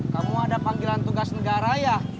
kamu ada panggilan tugas negara ya